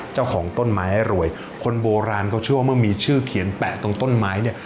เจ้าของต้นไม้รวยคนโบราณเขาเชื่อว่าเมื่อมีชื่อเขียนแปะตรงต้นไม้เนี่ย